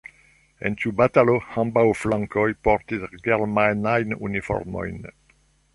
En tiu batalo, ambaŭ flankoj portis germanajn uniformojn.